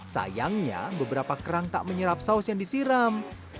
sayangnya beberapa kerang tak menyerap saus yang disiram